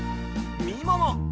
みもも。